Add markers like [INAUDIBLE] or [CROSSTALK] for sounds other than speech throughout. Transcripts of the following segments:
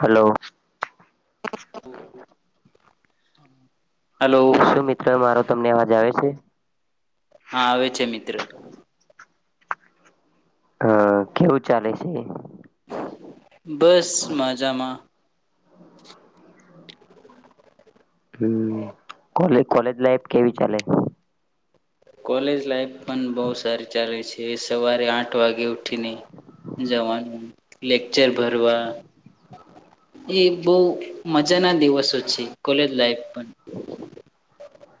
Hello hello શું મિત્રો મારો તમને અવાજ આવે છે. હા આવે છે મિત્ર હા કેવું ચાલે છે. બસ મજામાં હમ કો કોલેજ લાઈફ કેવી ચાલે કોલેજ લાઈફ પણ બહુ સારી ચાલ છે સવારે આઠ વાગે ઉઠીને જવાનું લેકચર ભરવા એ બહ મજા ના દિવસો છે કોલેજ લાઈફ પણ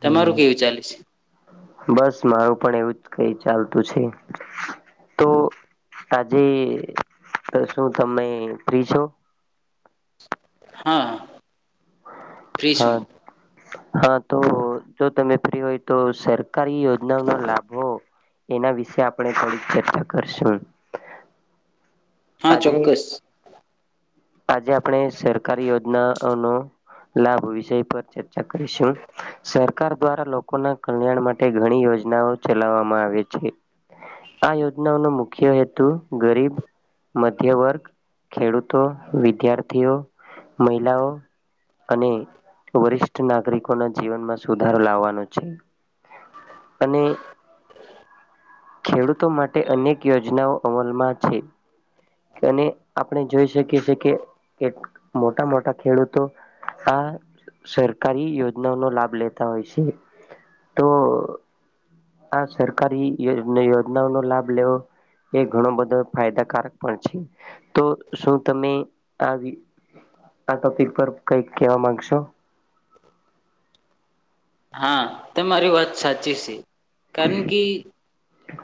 તમારું કેવું ચાલે છે બસ મારું પણ એવું જ કઈ ચાલતું છે તો આજે શું તમે ફ્રી છો હા, ફ્રીસો હા હા, તો જો તમે ફ્રી હોય તો સરે સરકારી યોજના નો લાભ હો, એના વિશે આપણે થોડીક ચર્ચા કરશું હા આજે ચોક્કસ આજે આપણે સરકારી યોજના ન લાભ વિષય પર કરીશું સરકાર દ્વારા લોકો લોકો ના કલ્યાણ માટે ઘણી યોજનાઓ ચલાવવામાં આવે છે આ યોજનાઓનો મુખ્ય હેતુ ગરીબ મધ્ય વર્ગ ખેડૂતો વિદ્યાર્થીઓ મહિલાઓ અને વરિષ્ઠ નાગરિકોના જીવનમાં સુધારો લાવવાનો છે અને ખેડૂતો માટે અનેક યોજનાઓ અમલમાં છે અને આપણે જોઈ શકીએ છે કે મોટા મોટા ખેડૂતો આ સરકારી યોજનાઓનોો લાભ લેતા હોય છે તો આ સરકારી યોજનાઓનોો લાભ લેવો એ ઘણો બધો ફાયદાકારક પણ છે તો શું તમે આવી આ ટોપિક પર કઈક કવા માંગશો હા તમા મારી વાત સાચી છે કારણ કે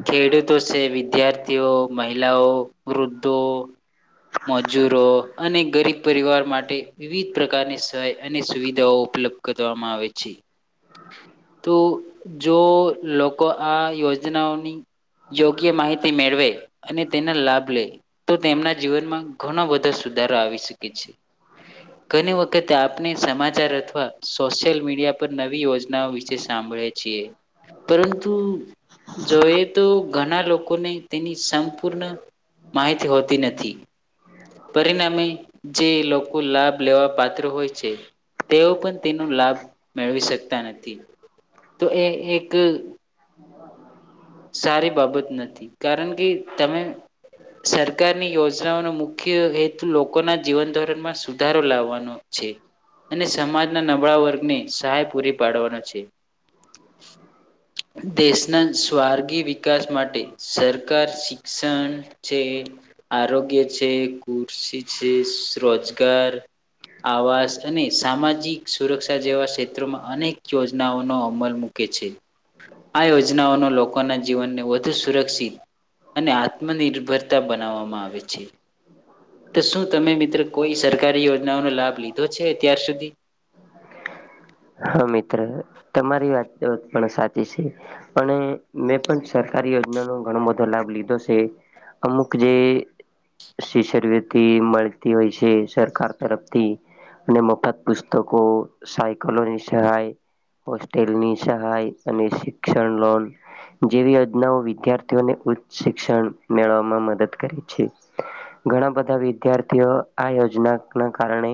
ખેડૂતો છે વિદ્યારથી મહિલાઓ વૃદ્ધો મજૂરો અને ગરીબ પરિવાર માટે વિવિધ પ્રકારની સહાય અને સુવિધાઓ ઉપલબ્ધ કરવામાં આવે છે તો જો લોકો આ યોજનાઓ યોગ્ય માહિતી મેળવે અને તેના લાભ લે તો તેમના જીવનમાં ઘણો બધો સુધારો આવી શકે છે ઘણી વખત આપણે સમાચાર અથવા સોશિયલ મીડિયા પર નવી યોજનાઓ વિશે સાંભળે છીએ પરંતુ જોઈએ તો ઘણા લોકોને તેની સંપૂર્ણ માહિતી હોતી નથી પરિણામે જે લોકો લાભ લેવા પાત્ર હોય છે તેઓ પણ તેનો લાભ મેળવી શકતા નથી તો એ એક સારી બાબત નથી કારણ કે તમે સરકારની યોજનાઓનો મુખ્ય હેતુ લોકોના જીવન ધોરણમાં સુધારો લાવવાનો છે અને સમાજના નબળા વર્ગને સહાય પૂરી પાડવાનો છે દેશના સ્વર્ગી વિકાસ માટે સરકાર શિક્ષણ છે આરોગ્ય છે કૃષિ છે રોજગાર આવાસ અને સામાજિક સુરક્ષા જેવા ક્ષેત્રોમાં અનેક યોજનાઓનો અમલ મૂકે છે આ યોજનાઓનો લોકોના જીવનને વધુ સુરક્ષિત અને અને આત્મનિર્ભર બનાવામાં આવે છે તો શું તમે મિત્ર કોઈ સરકારી યોજનાઓનો લાભ લીધો છે અત્યાર સુધી હા મિત્ર તમારી વાતત પણ સાચી છે અને મેં પણ સરકારી યોજના નો ઘણો બધો લાભ લીધો છે અમુક જે શિષવ્યતિ મળતી હોય છે સરકાર તરફથી અને મફત પુસ્તકો સહાય હોસ્ટેલની સહાય અને શિક્ષણ લોન જેવી યોજનાઓ વિદ્યાર્થીઓને ઉચ્ચ શિક્ષણ મેળવામાં મદદ કરે છે ઘણા બધા વિદ્યાર્થીઓ આ યોજના ના કારણે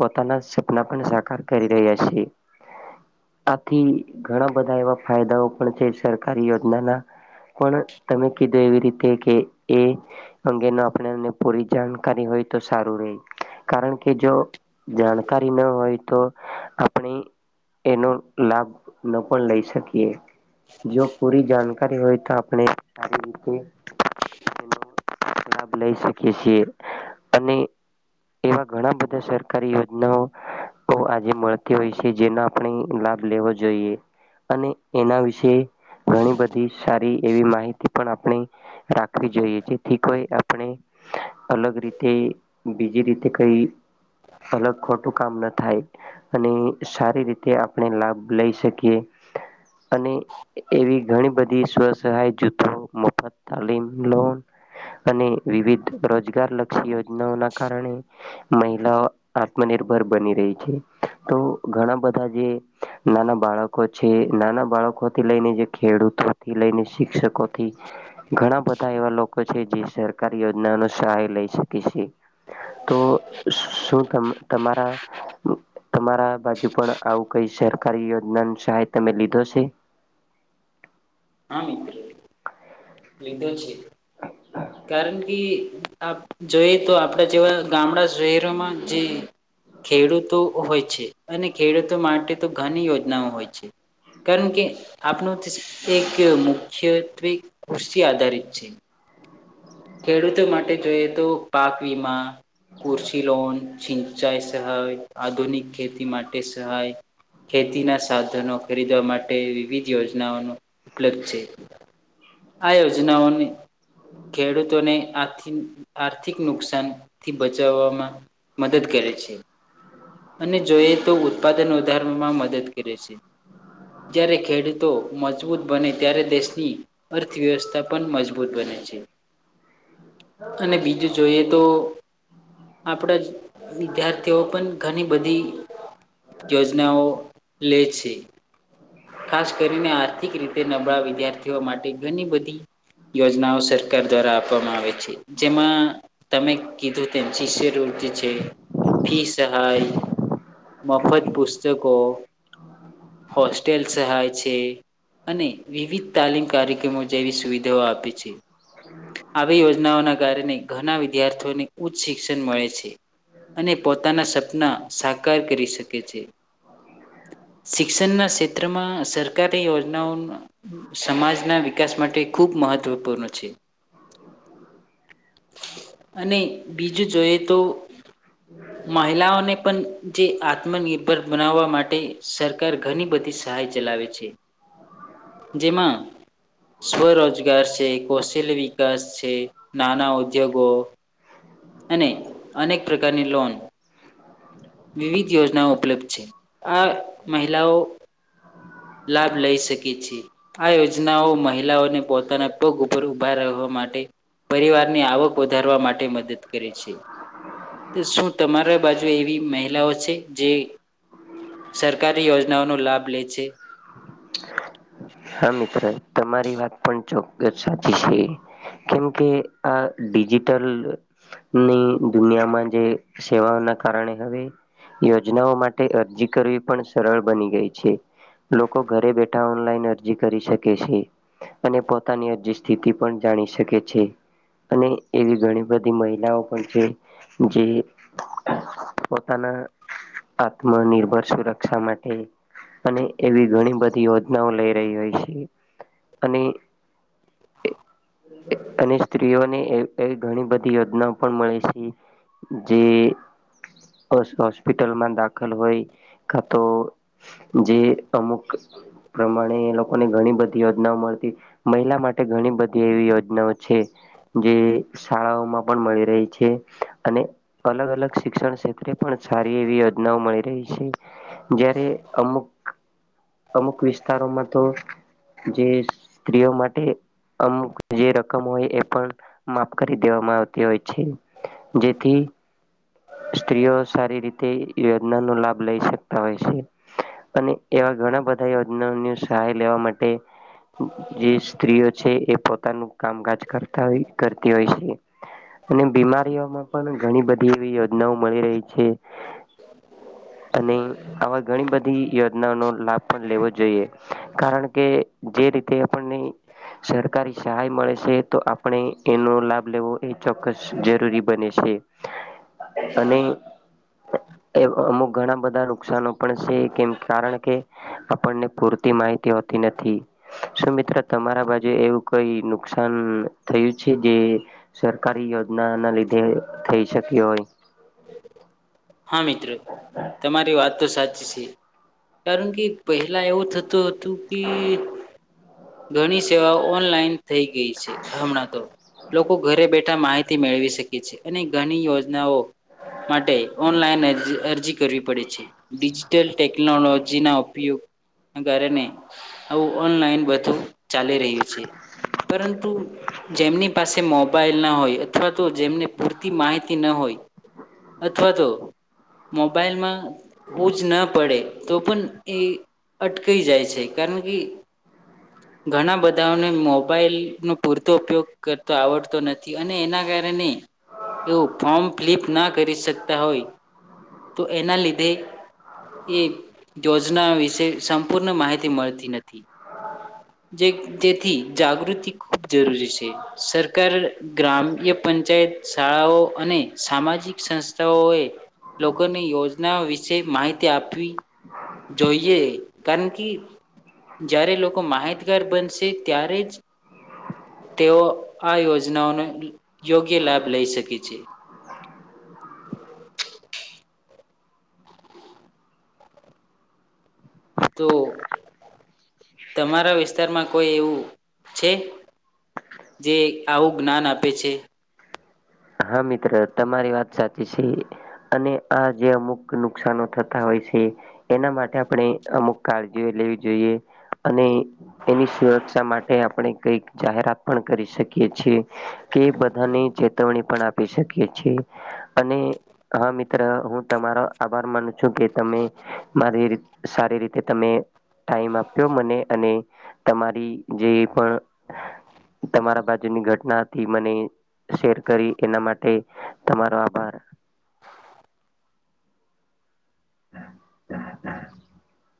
પોતાના સપના પણ સાકાર કરી રહ્યા છે આથી ઘણા બધા એવા ફાયદાઓ પણ છે સરકારી યોજનાના પણ તમે કીધું એવી રીતે કે એ અંગે આપણેને પૂરી જાણકારી હોય તો સારું ર કારણ કે જો જાણકારી ના હોય તો એનો લાભ ન પણ લઈ શકીએ જો પૂરી જાણકારી હોય તો આપણે સારી રીતેનો લાભ લઈ શકીએ છીએ અને એવા ઘણા બધા સરકારી યોજનાઓ આજે મળ હોય છે જેનો આપણે લાભ લેવો જોઈએ અને એના વિશે ઘણી બધી સારી એવી માહિતી પણ આપણે રાખવી જોઈએ જેથી કોઈ આપણે અલગ રીતે બીજી રીતે કઈ અલગ ખોટું કામ ન થાય અને સારી રીતે આપણે લાભ લઈ શકીએ અને એવી ઘણી બધી સ્વ સહાય જૂથો મફત તાલીમ લોન અને વિવિધ રોજગાર લક્ષી યોજનાઓના કારણે મહિલાઓ આત્મનિર્ભર બની રહી છે તો ઘણા બધા જે નાના બાળકો છે નાના બાળકોથી લઈને જે ખેડૂતોથી લઈને શિક્ષકોથી ઘણા બધા એવા લોકો છે જે સરકાર યોજના ન સહાય લઈ શકે છે તો શું તમારા તમારા બાજુ પણ આવું કઈ સરકારી યોજના ન સહાય તમે લીધો છે હા મિત લીધો છે કારણ કે આપ જોઈએ તો આપણા જેવા ગામડા શહેરોમાં જે ખેડૂતો હોય છે અને ખેડૂતો માટે તો ઘણી યોજનાઓ હોય છે કારણ કે આપણ એક મુખ્યત્વે કૃષિ આધારિત છે ખેડૂતો માટે જોઈએ તો પાક વીમા કુરશી લોન સિંચાઈ સહાય આધુનિક ખેતી માટે સહાય ખેતીના સાધનો ખરીદવા માટે વિવિધ યોજનાઓનો ઉપલબ્ધ છે આ યોજનાઓને ખેડૂતોને આથ આર્થિક નુકસાનથી બચાવવામાં મદદ કરે છે અને જોઈએ તો ઉત્પાદન વધારવામાં મદદ કરે છે જ્યારે ખેડૂતો મજબૂત બને ત્યારે દેશની અર્થવ્યવસ્થા પણ મજબૂત બને છે અને બીજું જોઈએ તો આપણા વિદ્યાર્થીઓ પણ ઘણી બધી યોજનાઓ લે છે ખાસ કરીને આર્થિક રીતે નબળા વિદ્યાર્થીઓ માટે ઘણી બધી યોજનાઓ સર સરકાર દ્વારા આપવામાં આવે છે જેમાં તમે કીધું તેમ શિષ્યવૃતિ છે ફી સહાય મફત પુસ્તકો હોસ્ટેલ સહાય છે અને વિવિધ તાલીમ કાર્યક્રમો જેવી સુવિધાઓ આપે છે આવી યોજનાઓના કારણે ઘણા વિદ્યાર્થીઓને ઉચ્ચ શિક્ષણ મળે છે અને પોતાના સપના સાકાર કરી શકે છે શિક્ષણના ક્ષેત્રમાં સરકારની યોજનાઓ સમાજના વિકાસ માટે ખૂબ મહત્વપૂર્ણ છે અને બીજું જોઈએ તો મહિલાઓને પણ જે આત્મનિર્ભર બનાવવા માટે સરકાર ઘણી બધી સહાય ચલાવે છે જેમાં સ્વરોજગાર છે કો લે વિકાસ છે નાના ઉદ્યોગો અને અનેક પ્રકારની લોન વિવિધ યોજનાઓ ઉપલબ્ધ છે આ મહિલાઓ લાભ લઈ શકે છે આ યોજનાઓ મહિલાઓને પોતાના પગ ઉપર ઊભા રહેવા માટે પરિવારની આવક વધારવા માટે મદદ કરે છે શું તમારા બાજુ એવી મહિલાઓ છે જે સરકારી યોજનાઓનો લાભ લે છે હા મિત્ર તમારી વાત પણ ચોક્કસ સાચી છે કેમ કે આ ડિજિટલ ની દુનિયામાં જે સેવાઓના કારણે હવે યોજનાઓ માટે અરજી કરવી પણ સરળ બની ગઈ છે લોકો ઘરે બેઠા ઓનલાઈન કરી શકે છે અને પોતાની અરજી સ્થિતિ પણ જાણી શકે છે અને એવી ઘણી બધી મહિલાઓ પણ છે જે પોતાના આત્મનિર્ભર સુરક્ષા માટે અને એવી ઘણી બધી યોજનાઓ લઈ અને સ્ત્રીઓને ઘણી બધી યોજનાઓ પણ મળે છે જે હોસ્પિટલમાં દાખલ હોય તો જે અમુક પ્રમાણે ઘણી બધી યોજનાઓ મળતી મહિલા માટે ઘણી બધી એવી યોજનાઓ છે જે શાળાઓમાં પણ મળી રહી છે અને અલગ અલગ શિક્ષણ ક્ષેત્રે પણ સારી એવી યોજનાઓ મળી રહી છે જયારે અમુક અમુક વિસ્તારોમાં તો જે સ્ત્રીઓ માટે અમુક જે રકમ હોય એ પણ માફ કરી દેવામાં આવતી હોય છે જેથી સ્ત્રીઓ સારી રીતે યોજના નો લાભ લઈ શકતા હોય છે અને એવા ઘણા બધા યોજનાની સહાય લેવા માટે જે સ્ત્રીઓ છે એ પોતાનું કામકાજ કરતાય કરતી હોય છે અને બીમારીઓમાં પણ ઘણી બધી એવી યોજનાઓ મળી રહી છે અને આવા ઘણી બધી યોજનાઓનો લાભ પણ લેવો જોઈએ કારણ કે જે રીતે આપણને સરકારી સહાય મળે છે તો આપણે એનો લાભ લેવો એ ચોક્કસ જરૂરી બને છે અને અમુક ઘણા બધા નુકસનો પણ છે કેમ કારણ કે આપણને પૂરતી માહિતી હોતી નથી શું મિત્ર તમારા બાજુ એવું કઈ નુકસાન થયું છે જે સરકારી યોજના ના લીધે થઈ શક્ય હોય હા મિત્રો તમારી વાત તો સાચી કારણ કે પહેલા એવું થતું હતું કે ઘણી સેવાઓ ઓનલાઈન થઈ ગઈ છે હમણાં તો લોકો ઘરે બેઠા માહિતી મેળવી શકે છે અને ઘણી યોજનાઓ માટે ઓનલાઈન અ અરજી કરવી પડે છે ડિજિટલ ટેકનોલોજી ના ઉપયોગ કારણે આવું ઓનલાઈન બધું ચાલી રહ્યું છે પરંતુ જેમની પાસે મોબાઈલ ના હોય અથવા તો જેમને પૂરતી માહિતી ના હોય અથવા તો મોબાઈલમાં હુજ ન પડે તો પણ એ અટકીઈ જાય છે કારણ કે ઘણા બધાઓને મોબાઈલનો પૂરતો ઉપયોગ કરતો આવડતો નથી અને એના કારણે એવું ફોર્મ ફિલિપ ના કરી શક હોય તો એના લીધે એ યોજના વિશે સંપૂર્ણ માહિતી મળતી નથી જેથી જાગૃતિ ખૂબ જરૂરી છે સરકાર ગ્રામ્ય પંચાયત શાળાઓ અને સામાજિક સંથા એ લોકોની યોજનાઓ વિશે માહિતી આપવી જોઈએ કારણ કે જ્યારે લોકો માહિતગાર બનશે ત્યારે જ તેઓ આ યોજનાઓનો યોગ્ય લાભ લઈ શકે છે [UNINTELLIGIBLE] તો તમારા વિસ્તારમાં કોઈ એવું છે જે આવું જ્ઞાન આપે છે હા મિત્ર તમારી વાત સાચી છે અને આ જે અમુક નુકશાનો થતા હોય છે એના માટે આપણે અમુક કાળજી લેવી જોઈએ અને એની સુરક્ષા માટે આપણે કઈક જાહેરાત પણ કરી શકીએ છીએ કે બધાની ચેતવણી આપ શકી અને હા મિત્ર હું તમારો આભાર માનું છું કે તમે મારી સારી રીતે તમે ટાઈમ આપ્યો મને અને તમારી જે પણ તમારા બાજુની ઘટના હતી મને શેર કરી એના માટે તમારો આભાર [UNINTELLIGIBLE]